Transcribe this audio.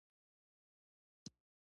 ارزیابي د کار د کیفیت معلومول دي